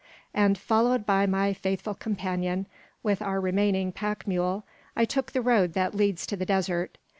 And, followed by my faithful compagnon, with our remaining pack mule, I took the road that leads to the desert.